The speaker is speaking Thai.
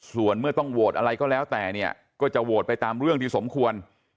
ส่วนเมื่อต้องโหวตอะไรก็แล้วแต่เนี่ยก็จะโหวตไปตามเรื่องที่สมควร